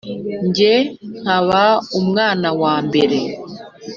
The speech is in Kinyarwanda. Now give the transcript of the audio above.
jye nkaba umwana wambere